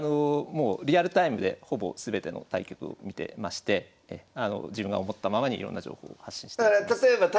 もうリアルタイムでほぼ全ての対局を見てまして自分が思ったままにいろんな情報を発信しています。